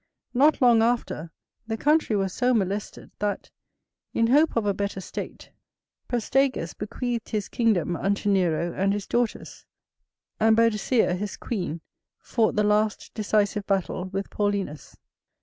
Not long after, the country was so molested, that, in hope of a better state, Prastaagus bequeathed his kingdom unto Nero and his daughters; and Boadicea, his queen, fought the last decisive battle with Paulinus.